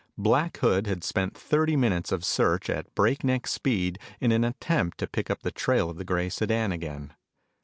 Black Hood had spent thirty minutes of search at break neck speed in an attempt to pick up the trail of the gray sedan again.